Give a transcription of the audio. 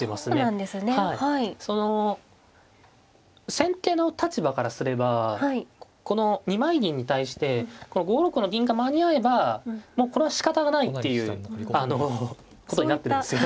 先手の立場からすればこの二枚銀に対してこの５六の銀が間に合えばもうこれはしかたがないっていうことになってるんですよ